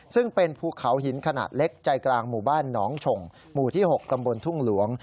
ซึ่งเป็นภูเขาหินขนาดเล็กใจกลางหมู่บ้านหนองฉงหมู่ที่๖ตำบลทุ่งหลวง